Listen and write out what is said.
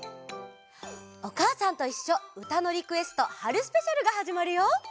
「おかあさんといっしょうたのリクエスト春スペシャル」がはじまるよ！